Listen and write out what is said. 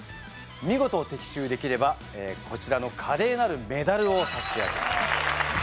見事的中できればこちらのカレーなるメダルを差し上げます。